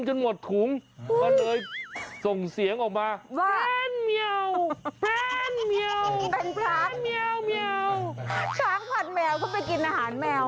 ช้างผัดแมวก็ไปกินอาหารแมว